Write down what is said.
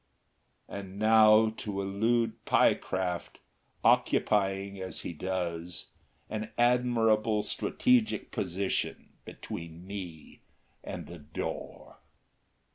And now to elude Pyecraft, occupying, as he does, an admirable strategic position between me and the door.